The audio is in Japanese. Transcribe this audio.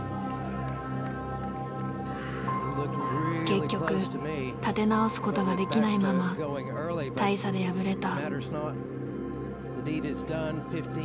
結局立て直すことができないまま大差で敗れた。